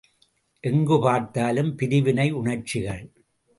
எங்குப் பார்த்தாலும் பிரிவினை உணர்ச்சிகள்!